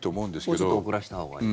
もうちょっと遅らせたほうがいい。